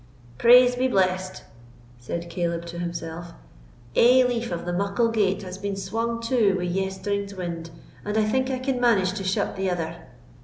"Praise be blest!" said Caleb to himself, "ae leaf of the muckle gate has been swung to wi' yestreen's wind, and I think I can manage to shut the ither."